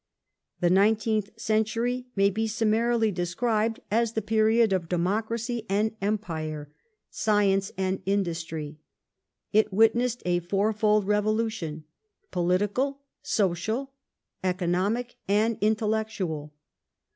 teenth r^^^ nineteenth century may be summarily described as the 1901] GROWTH OF DEMOCRACY 5 period of Democracy and Empire, Science and Industry. It wit nessed a fourfold revolution : Political, Social, Economic, and Intel lectual.